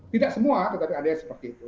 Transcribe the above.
tidak semua tetapi ada yang seperti itu